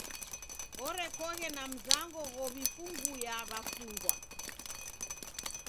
Orekoghe na mzango ghow'ifunguya w'afungwa.